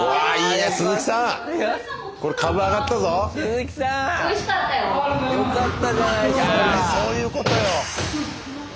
いやそういうことよ。